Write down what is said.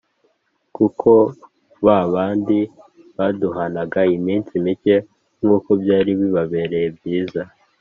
Kuko ba bandi baduhanaga iminsi mike nk'uko byari bibabereye byiza,